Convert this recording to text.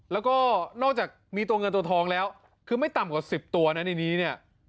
แล้วก็นอกจากมีตัวเงินตัวทองแล้วคือไม่ต่ำกว่า๑๐ตัวนะในนี้เนี่ย